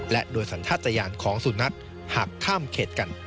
และด้วยสัญญาณของสุนัขหากข้ามเขตกัน